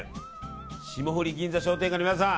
霜降銀座商店街の皆さん